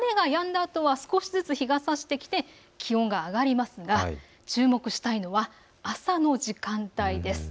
あとは少しずつ日がさしてきて気温が上がりますが注目したいのは朝の時間帯です。